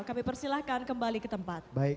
kami persilahkan kembali ke tempat